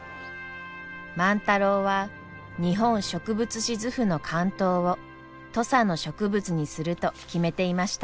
万太郎は「日本植物志図譜」の巻頭を土佐の植物にすると決めていました。